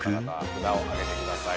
札を上げてください。